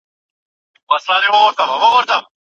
سياسي ګوندونه څنګه قدرت ته رسېږي؟